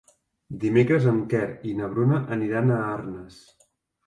Dimecres en Quer i na Bruna aniran a Arnes.